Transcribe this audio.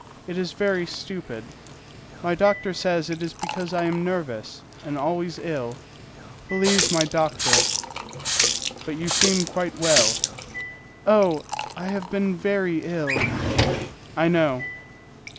It is very stupid. My doctor says it is because I am nervous and always ill; believe my doctor." "But you seem quite well." "Oh! I have been very ill." "I know."